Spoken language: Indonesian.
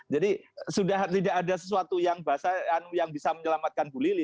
jadi sudah tidak ada sesuatu yang bisa menyelamatkan bu lili